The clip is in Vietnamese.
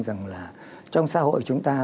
rằng là trong xã hội chúng ta